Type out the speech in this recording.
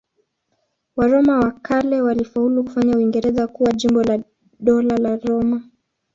Waroma wa kale walifaulu kufanya Uingereza kuwa jimbo la Dola la Roma.